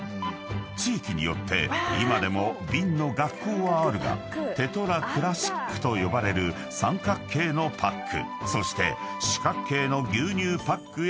［地域によって今でも瓶の学校はあるがテトラ・クラシックと呼ばれる三角形のパックそして四角形の牛乳パックへと変遷］